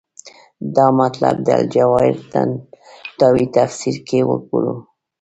دا مطلب د الجواهر طنطاوي تفسیر کې وګورو.